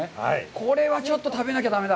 これはちょっと食べなきゃだめだ。